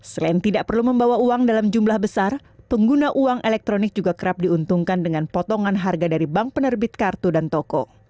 selain tidak perlu membawa uang dalam jumlah besar pengguna uang elektronik juga kerap diuntungkan dengan potongan harga dari bank penerbit kartu dan toko